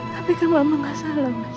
tapi kan mama gak salah mas